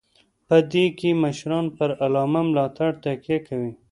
په دې کې مشران پر عامه ملاتړ تکیه کوي.